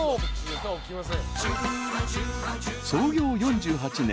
［創業４８年。